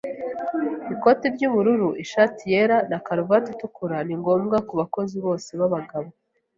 Ikoti ry'ubururu, ishati yera na karuvati itukura ni ngombwa ku bakozi bose b'abagabo